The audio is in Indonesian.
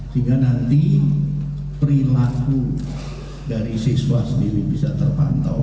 sehingga nanti perilaku dari siswa sendiri bisa terpantau